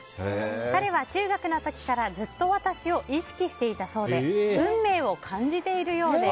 彼は中学の時からずっと私を意識していたそうで運命を感じているようです。